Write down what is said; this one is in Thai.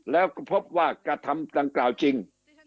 แล้วก็พบว่ากระทำดังกล่าวจริง